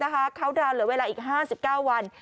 คาวเตอร์ดาวน์เหลือเวลาอีก๕๙วัน